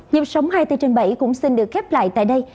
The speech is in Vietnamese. nhập sống hai trăm bốn mươi bảy cũng xin được kết lại tại đây